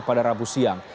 pada rabu siang